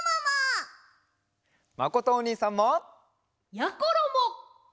まことおにいさんも！やころも！